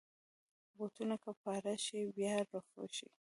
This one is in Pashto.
بوټونه که پاره شي، باید رفو شي.